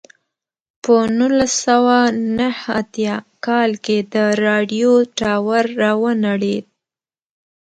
په نولس سوه نهه اتیا کال کې د راډیو ټاور را ونړېد.